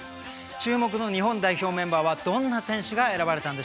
注目の日本代表メンバーはどんな選手が選ばれたんでしょうか？